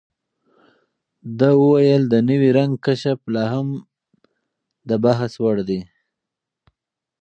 ده وویل، د نوي رنګ کشف لا هم بحثوړ دی.